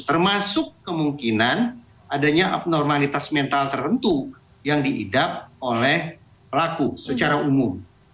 termasuk kemungkinan adanya abnormalitas mental tertentu yang diidap oleh pelaku secara umum